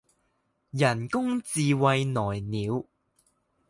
人工智慧來了